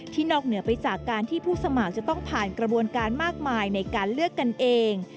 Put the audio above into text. นอกเหนือไปจากการที่ผู้สมัครจะต้องผ่านกระบวนการมากมายในการเลือกกันเอง